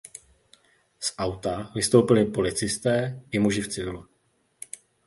Z auta vystoupili policisté i muži v civilu.